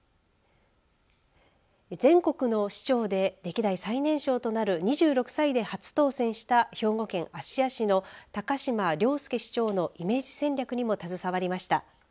全国の市長で歴代最年少となる２６歳で初当選した兵庫県芦屋市の高島崚輔市長のイメージ戦略にも携わりました。